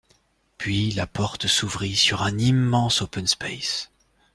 puis la porte s’ouvrit sur un immense open space,